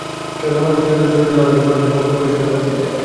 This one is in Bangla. কেননা, মানুষ চিরতরে চলে যাওয়ার আগে পুরোটা সময় পরিবারের সঙ্গে কাটাতে চায়।